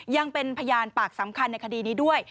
ยังเป็นพยานปากสำคัญในคดีนี้ด้วย